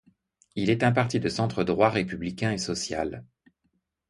Il est un parti de centre droit républicain et social.